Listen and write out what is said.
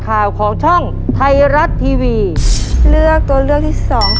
รับทุนไปต่อชีวิตสุดหนึ่งล้อนบอส